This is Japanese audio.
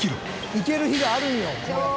「いける日があるんよこうやって」